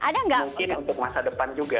mungkin untuk masa depan juga